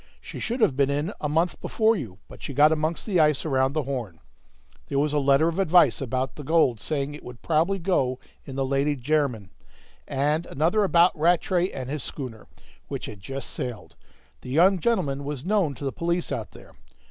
She should have been in a month before you, but she got amongst the ice around the Horn. There was a letter of advice about the gold, saying it would probably go in the Lady Jermyn; and another about Rattray and his schooner, which had just sailed; the young gentleman was known to the police out there."